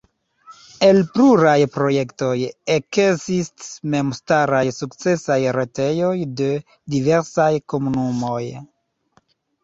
El pluraj projektoj ekestis memstaraj sukcesaj retejoj de diversaj komunumoj.